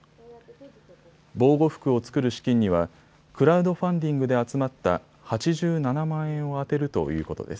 防護服を作る資金にはクラウドファンディングで集まった８７万円を充てるということです。